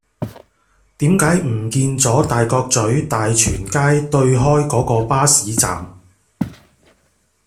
點解唔見左大角咀大全街對開嗰個巴士站